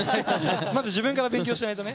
まず自分から勉強しないとね。